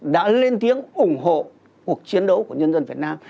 đã lên tiếng ủng hộ cuộc chiến đấu của nhân dân việt nam